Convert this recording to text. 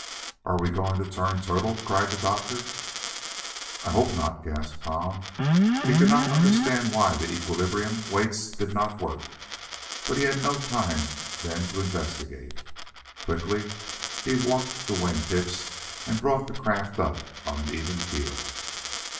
"Are we going to turn turtle?" cried the doctor. "I I hope not!" gasped Tom. He could not understand why the equilibrium weights did not work, but he had no time then to investigate. Quickly he warped the wing tips and brought the craft up on an even keel.